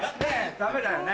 ダメだよね。